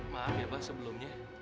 maaf ya abah sebelumnya